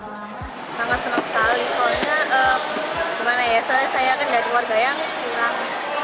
sangat senang sekali soalnya saya kan dari warga yang kurang cukup gitu ya jadi kalau dapat ini ya rasanya senang sekali